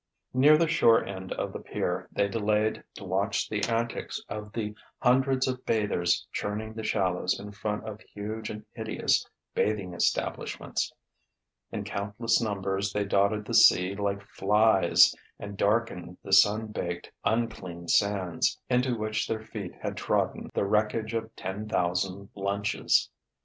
Near the shore end of the pier they delayed to watch the antics of the hundreds of bathers churning the shallows in front of huge and hideous bathing establishments. In countless numbers, they dotted the sea like flies and darkened the sun baked, unclean sands, into which their feet had trodden the wreckage of ten thousand lunches.